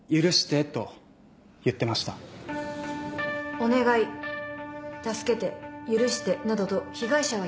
「お願い助けて許して」などと被害者は言っていない。